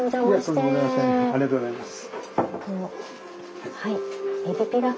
ありがとうございます。